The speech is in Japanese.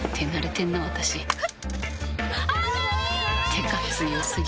てか強過ぎ